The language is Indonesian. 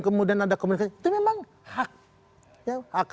kemudian ada komunikasi itu memang hak